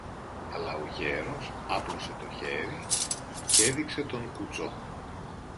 Αλλά ο γέρος άπλωσε το χέρι κι έδειξε τον κουτσό.